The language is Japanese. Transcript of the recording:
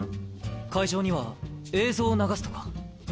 会場には映像を流すとか。